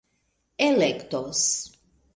elektos